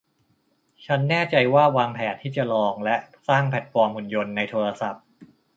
ฉันแน่ใจว่าวางแผนที่จะลองและสร้างแพลตฟอร์มหุ่นยนต์ในโทรศัพท์